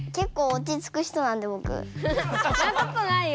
そんなことないよ！